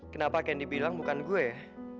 kenapa candy bilang bukan gue ya